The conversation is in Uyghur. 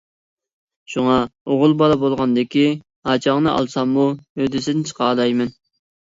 شۇڭا ئوغۇل بالا بولغاندىكى ئاچاڭنى ئالساممۇ ھۆددىسىدىن چىقالايمەن.